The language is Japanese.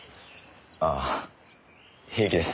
ああ平気です